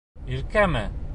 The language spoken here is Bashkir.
Иркәме?